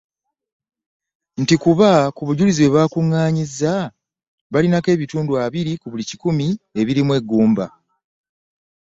Nti kuba ku bujulizi bwe baakugaanyizza balinako ebitundu abiri ku buli kikumi ebirimu eggumba